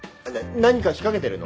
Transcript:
何か仕掛けてるの？